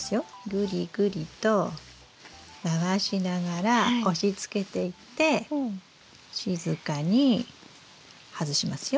グリグリと回しながら押しつけていって静かに外しますよ。